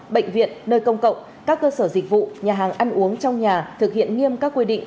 bệnh viện nơi công cộng các cơ sở dịch vụ nhà hàng ăn uống trong nhà thực hiện nghiêm các quy định